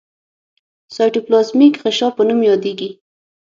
سایټوپلازمیک غشا په نوم یادیږي.